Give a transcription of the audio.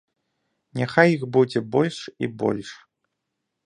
Няхай іх будзе больш і больш.